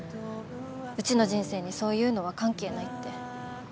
うちの人生にそういうのは関係ないって。